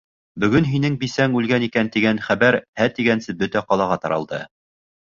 Бөгөн һинең бисәң үлгән икән тигән хәбәр «һә» тигәнсе бөтә ҡалаға таралды.